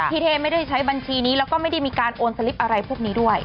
เท่ไม่ได้ใช้บัญชีนี้แล้วก็ไม่ได้มีการโอนสลิปอะไรพวกนี้ด้วย